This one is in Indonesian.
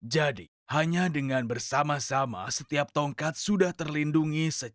jadi hanya dengan bersama sama setiap tongkat sudah terlindungi secara otomatis